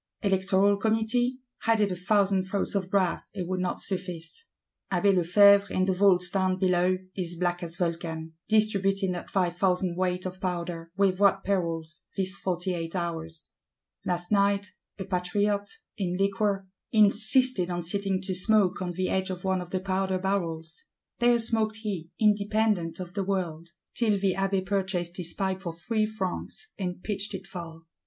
Electoral Committee? Had it a thousand throats of brass, it would not suffice. Abbé Lefevre, in the Vaults down below, is black as Vulcan, distributing that "five thousand weight of Powder;" with what perils, these eight and forty hours! Last night, a Patriot, in liquor, insisted on sitting to smoke on the edge of one of the Powder barrels; there smoked he, independent of the world,—till the Abbé "purchased his pipe for three francs," and pitched it far.